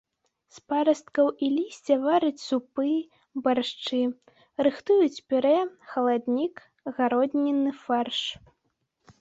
З парасткаў і лісця вараць супы, баршчы, рыхтуюць пюрэ, халаднік, гароднінны фарш.